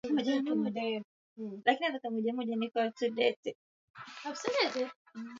Wategi ambao pia huitwa Abhathegi maarufu kama Abhagirango Waugu Ugu